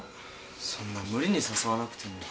そんな無理に誘わなくても。